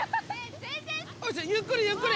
ゆっくりゆっくり。